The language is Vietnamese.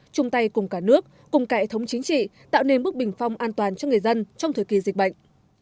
chung tay cùng cả nước cùng cải thống chính trị tạo nên bước bình phong an toàn cho người dân trong thời kỳ dịch bệnh